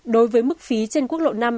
đối với mức phí trên quốc lộ năm